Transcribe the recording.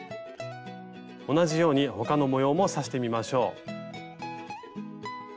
同じように他の模様も刺してみましょう。